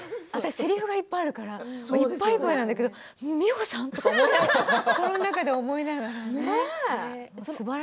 せりふがいっぱいあるからいっぱいいっぱいなんだけれど美穂さん！っていう感じで心の中で思いながら。